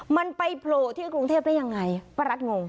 มันไปโผล่ที่กรุงเทพได้ยังไงป้ารัฐงง